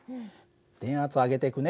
電圧を上げていくね。